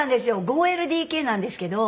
５ＬＤＫなんですけど。